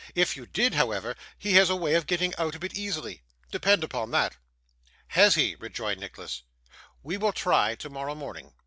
If you did, however, he has a way of getting out of it easily, depend upon that.' 'Has he?' rejoined Nicholas. 'We will try, tomorrow morning.